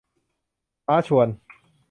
ฟ้าชวน